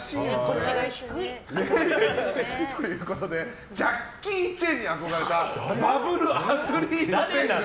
腰が低い！ということでジャッキー・チェンに憧れたバブル・アスリート天狗。